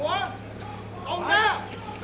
อัศวินธรรมชาติ